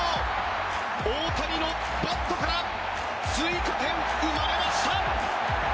大谷のバットから追加点、生まれました。